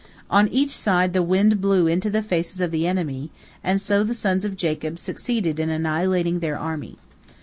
On each side the wind blew into the faces of the enemy, and so the sons of Jacob succeeded in annihilating their army.